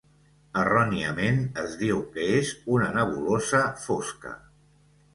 Erròniament es diu que és una nebulosa fosca.